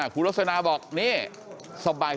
คุณลักษณะบอกนี่สบาย